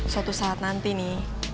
suatu saat nanti nih